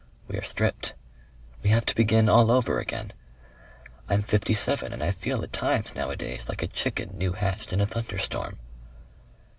We are stripped.... We have to begin all over again.... I'm fifty seven and I feel at times nowadays like a chicken new hatched in a thunderstorm."